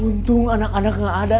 untung anak anak gak ada